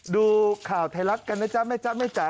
ดูข่าวไทยรัฐกันนะจ๊ะแม่จ๊ะแม่จ๋า